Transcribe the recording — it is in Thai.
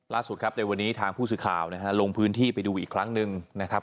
ล่าสุดครับในวันนี้ทางผู้สื่อข่าวนะฮะลงพื้นที่ไปดูอีกครั้งหนึ่งนะครับ